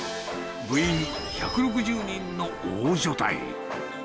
部員１６０人の大所帯。